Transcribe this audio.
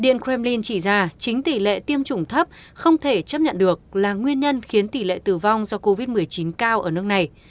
điện kremlin chỉ ra chính tỷ lệ tiêm chủng thấp không thể chấp nhận được là nguyên nhân khiến tỷ lệ tử vong do covid một mươi chín cao ở nước này